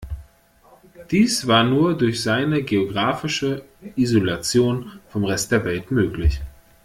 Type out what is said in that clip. Dies war nur durch seine geografische Isolation vom Rest der Welt möglich.